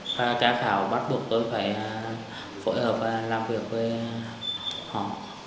các khảo bắt buộc tôi phải phối hợp làm việc với họ